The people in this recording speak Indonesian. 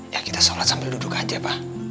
ya kita sholat sambil duduk aja pak